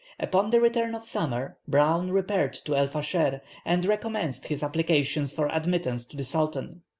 Upon the return of summer, Browne repaired to El Fascher, and recommenced his applications for admittance to the Sultan.